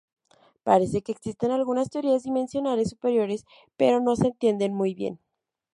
Parece que existen algunas teorías dimensionales superiores, pero no se entienden muy bien.